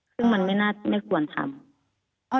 ซึ่งมันไม่น่าไม่ควรทำ